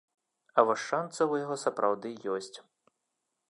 А вось шанцы ў яго сапраўды ёсць.